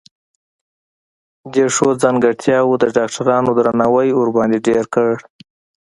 دې ښو ځانګرتياوو د ډاکټرانو درناوی ورباندې ډېر کړ.